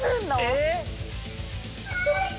えっ？